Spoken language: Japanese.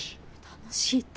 楽しいって。